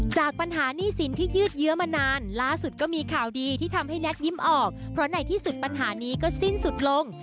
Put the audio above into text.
จากปัญหาหนี้สินที่ยืดเยื้อมานานล่าสุดก็มีข่าวดีที่ทำให้แน็กยิ้มออกเพราะในที่สุดปัญหานี้ก็สิ้นสุดลง